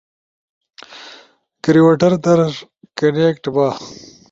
گریوٹر در کنیکٹ با